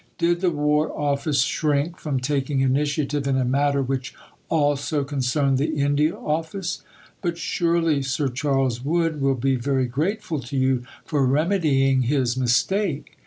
Did the War Office shrink from taking initiative in a matter which also concerned the India Office? "But surely Sir Charles Wood will be very grateful to you for remedying his mistake."